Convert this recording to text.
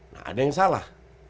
nah ada yang salah